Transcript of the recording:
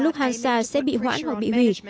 lúc hansa sẽ bị hoãn hoặc bị hủy